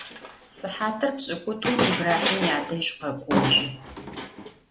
Сыхьатыр пшӏыкӏутӏум Ибрахьим ядэжь къэкӏожьы.